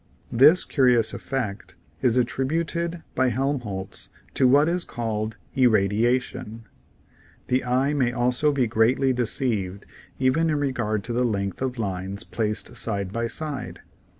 This curious effect is attributed by Helmholtz to what is called irradiation. The eye may also be greatly deceived even in regard to the length of lines placed side by side.